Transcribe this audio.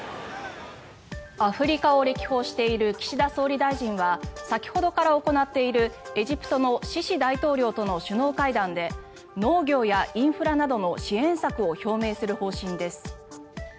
アフリカを歴訪している岸田総理大臣は先ほどから行っているエジプトのシシ大統領との首脳会談で農業やインフラなどの支援策を表明する方針です。